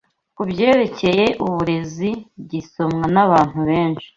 ku byerekeye uburezi gisomwa n’abantu benshi